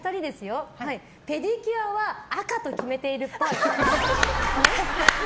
ペディキュアは赤と決めてるっぽい。